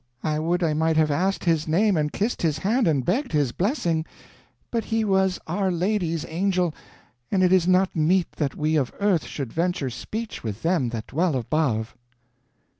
I would I might have asked his name and kissed his hand and begged his blessing; but he was Our Lady's angel, and it is not meet that we of earth should venture speech with them that dwell above."